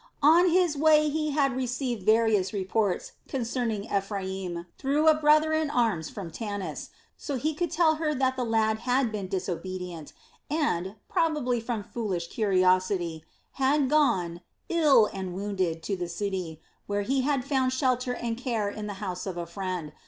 On his way he had received various reports concerning Ephraim through a brother in arms from Tanis, so he could tell her that the lad had been disobedient and, probably from foolish curiosity, had gone, ill and wounded, to the city, where he had found shelter and care in the house of a friend.